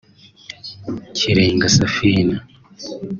Kirenga Saphina